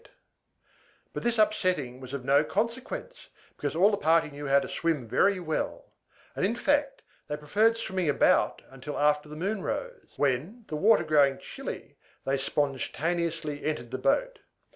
But this upsetting was of no consequence, because all the party knew how to swim very well: and, in fact, they preferred swimming about till after the moon rose; when, the water growing chilly, they sponge taneously entered the boat.